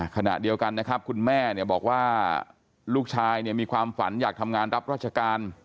ขณะเดียวกันนะครับคุณแม่เนี่ยบอกว่าลูกชายเนี่ยมีความฝันอยากทำงานรับราชการ